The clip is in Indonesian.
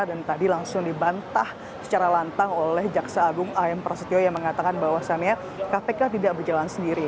dan tadi langsung dibantah secara lantang oleh jaksa agung a m prasetyo yang mengatakan bahwasannya kpk tidak berjalan sendiri